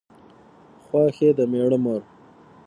خواښې د مېړه مور